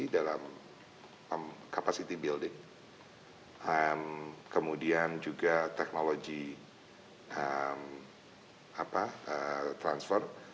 menerus memberikan kontribusi dalam capacity building kemudian juga technology transfer